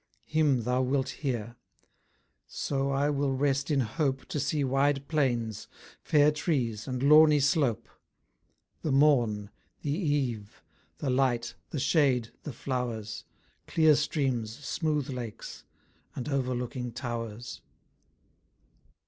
Him thou wilt hear; so I will rest in hope To see wide plains, fair trees and lawny slope: The morn, the eve, the light, the shade, the flowers: Clear streams, smooth lakes, and overlooking towers.